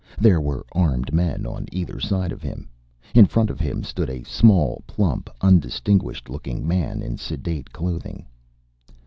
There were armed men on either side of him. In front of him stood a small, plump, undistinguished looking man in sedate clothing.